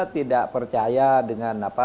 tidak percaya dengan apa